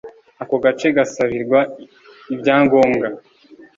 ako gace gasabirwa ibyangombwa